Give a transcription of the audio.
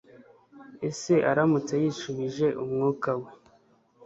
ese aramutse yishubije umwuka we